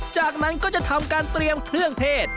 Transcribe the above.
จากนั้นก็จะทำการเตรียมเครื่องเทศ